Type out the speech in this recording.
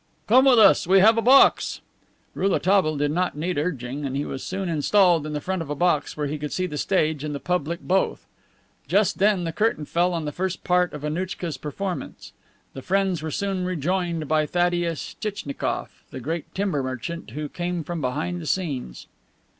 "Come with us; we have a box." Rouletabille did not need urging, and he was soon installed in the front of a box where he could see the stage and the public both. Just then the curtain fell on the first part of Annouchka's performance. The friends were soon rejoined by Thaddeus Tchitchnikoff, the great timber merchant, who came from behind the scenes.